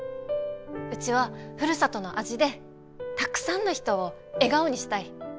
うちはふるさとの味でたくさんの人を笑顔にしたい。